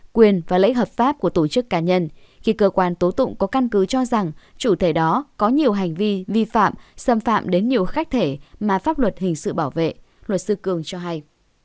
quyền và lợi ích hợp pháp của tổ chức cá nhân khi cơ quan tố tụng có căn cứ cho rằng chủ thể đó có nhiều hành vi vi phạm xâm phạm đến nhiều khách thể mà pháp luật hình sự bảo vệ luật sư cường cho hay